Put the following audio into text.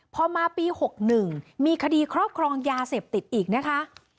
พอมาปี๖๑มีคดีครอบครองยาเสพติดอีกนะคะ